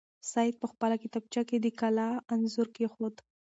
سعید په خپله کتابچه کې د کلا انځور کېښود.